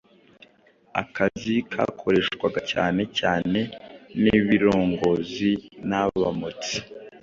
akazi kakoreshwaga cyane cyane n'ibirongozi n' abamotsi.